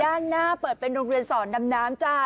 ด้านหน้าเปิดเป็นโรงเรียนสอนดำน้ำจ้า